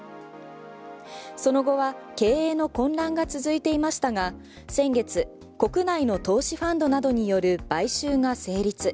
その後は経営の混乱が続いていましたが先月国内の投資ファンドなどによる買収が成立。